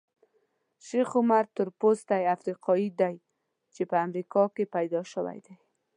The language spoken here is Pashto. شیخ عمر تورپوستی افریقایي دی چې په امریکا کې پیدا شوی دی.